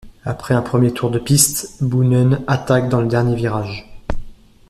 Après un premier tour de piste, Boonen attaque dans le dernier virage.